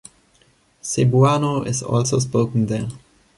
Cebuano is also spoken there.